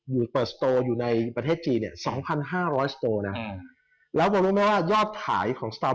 มาเปิดสโตรอยู่ในประเทศจีนเนี่ย๒๕๐๐บาท